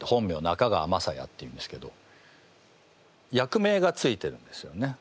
中川雅也っていうんですけど役名がついてるんですよね。